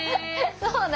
そうね